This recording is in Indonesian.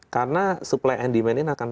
karena supply and demand ini akan